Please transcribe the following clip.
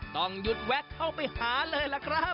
ต้องหยุดแวะเข้าไปหาเลยล่ะครับ